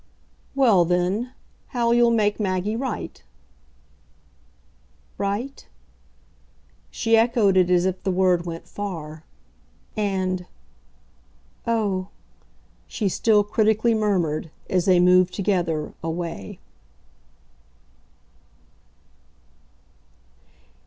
"Well then, how you'll make Maggie right." "'Right'?" She echoed it as if the word went far. And "O oh!" she still critically murmured as they moved together away.